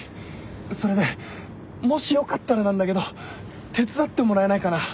それでもしよかったらなんだけど手伝ってもらえないかな？